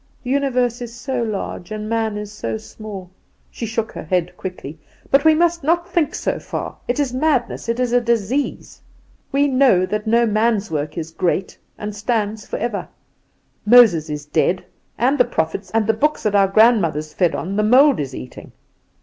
The universe is so large, and man is so small " She shook her head quickly. "But we must not think so far; it is madness, it is a disease. We know that no man's work is great, and stands forever. Moses is dead, and the prophets and the books that our grandmothers fed on the mould is eating.